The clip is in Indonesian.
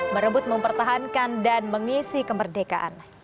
merebut mempertahankan dan mengisi kemerdekaan